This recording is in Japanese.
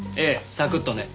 サクッとね。